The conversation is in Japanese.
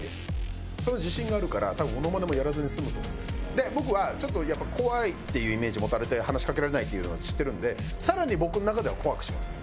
で僕はちょっとやっぱり怖いっていうイメージ持たれて話しかけられないっていうのは知ってるので更に僕の中では怖くします。